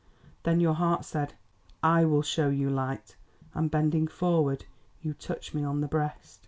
Then your heart said, 'I will show you light,' and bending forward you touched me on the breast.